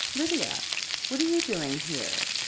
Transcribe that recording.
'Xydia! What are you doing here?"